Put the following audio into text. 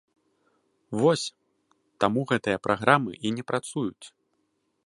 Вось, таму гэтыя праграмы і не працуюць.